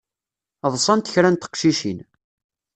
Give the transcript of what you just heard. Ḍsant kra n teqcicin.